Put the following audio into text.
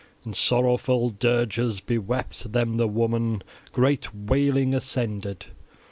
In sorrowful dirges bewept them the woman: great wailing ascended.